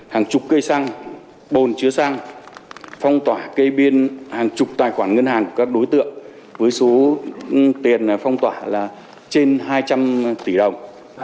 hàng chục cây xăng bồn chứa xăng phong tỏa cây biên hàng chục tài khoản ngân hàng của các đối tượng với số tiền phong tỏa là trên hai trăm linh tỷ đồng